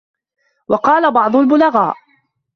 وَقَالَ بَعْضُ الْبُلَغَاءِ